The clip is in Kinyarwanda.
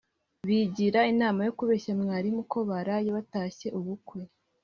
Bigira inama yo kubeshya mwarimu ko baraye batashye ubukwe